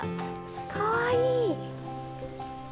かわいい！